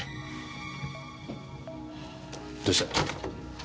どうした？